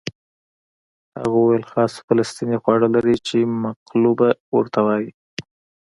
هغه وویل خاص فلسطیني خواړه لري چې مقلوبه ورته وایي.